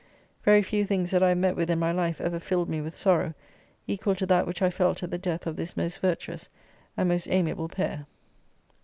Very few things that I have met with in my life ever filled me with sorrow equal to that which I felt at the death of this most virtuous and most amiable pair.